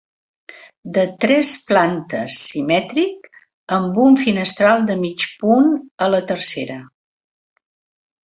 De tres plantes, simètric, amb un finestral de mig punt a la tercera.